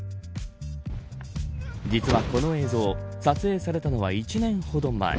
実はこの映像撮影されたのは１年ほど前。